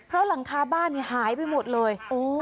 เพราะหลังคาบ้านเนี้ยหายไปหมดเลยโอ้